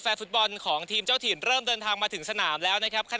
ฟุตบอลของทีมเจ้าถิ่นเริ่มเดินทางมาถึงสนามแล้วนะครับ